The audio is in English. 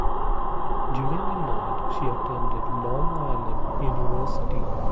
During the night she attended Long Island University.